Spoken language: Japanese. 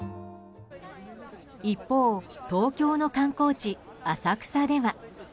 一方、東京の観光地・浅草では。